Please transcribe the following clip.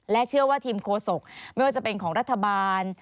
เชื่อว่าทีมโคศกไม่ว่าจะเป็นของรัฐบาล